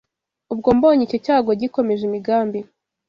Ubwo mbonye icyo cyago Gikomeje imigambi